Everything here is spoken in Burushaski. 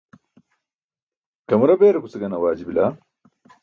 kamara beerukuce gane awaaji bila?